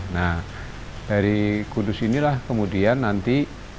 nah dari kudus inilah kemudian nanti